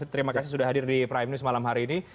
terima kasih sudah hadir di prime news malam hari ini